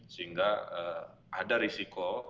sehingga ada risiko